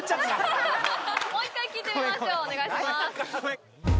もう一回聴いてみましょうお願いします